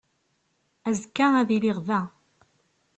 Azekka ad iliɣ da.